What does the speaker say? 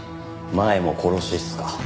前も殺しっすか。